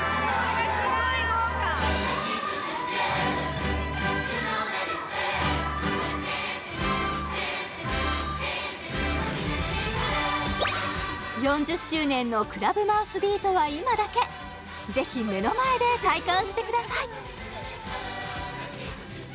すごい豪華４０周年のクラブマウスビートは今だけぜひ目の前で体感してください